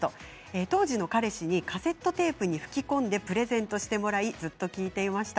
当時の彼氏にカセットテープに吹き込んでプレゼントしてもらい聴いていました。